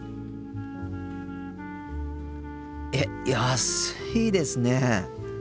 えっ安いですね。